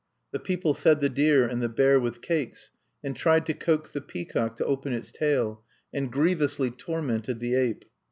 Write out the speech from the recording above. The people fed the deer and the bear with cakes, and tried to coax the peacock to open its tail, and grievously tormented the ape.